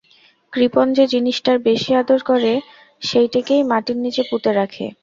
কৃপণ যে জিনিসটার বেশি আদর করে সেইটেকেই মাটির নীচে পুঁতে রাখে।